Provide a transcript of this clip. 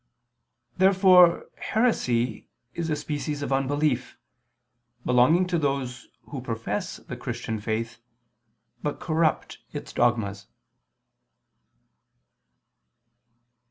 Therefore heresy is a species of unbelief, belonging to those who profess the Christian faith, but corrupt its dogmas.